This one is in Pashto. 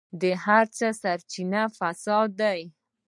د هر څه سرچينه فساد دی.